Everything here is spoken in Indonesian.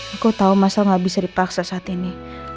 aku tahu masa gak bisa dipaksa saat ini